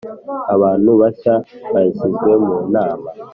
Abantu bashya bashyizwe mu Nama.